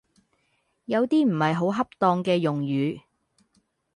有啲唔係好恰當嘅用語